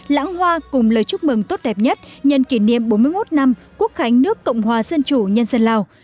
lãng hoa cùng lời chúc mừng tốt đẹp nhất nhân kỷ niệm bốn mươi một năm quốc khánh nước cộng hòa dân chủ nhân dân lào